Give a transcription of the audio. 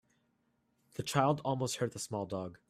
The child almost hurt the small dog.